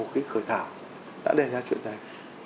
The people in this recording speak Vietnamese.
cái khởi thảo đã đề ra chuyện này